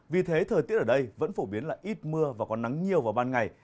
vì thế thời tiết ở đây vẫn phổ biến là ít mưa và có nắng nhiều vào ban ngày